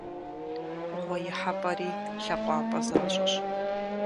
Гъуэ ихьэпӀэри лъакъуапӀэ защӀэщ.